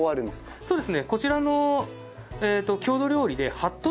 そうですね。